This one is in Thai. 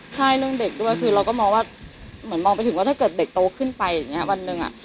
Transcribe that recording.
ใช่เรื่องเด็กด้วยคือเราก็มองว่าเหมือนมองไปถึงว่าถ้าเกิดเด็กโตขึ้นไปอย่างนี้วันหนึ่ง